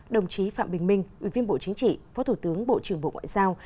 đồng chí phạm bình minh ủy viên bộ chính trị phó thủ tướng bộ trưởng bộ ngoại giao